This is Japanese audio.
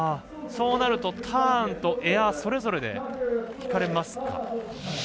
そうなるとターンとエアそれぞれで引かれますか？